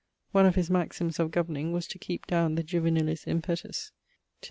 One of his maximes of governing was to keepe downe the _juvenilis impetus_[VI.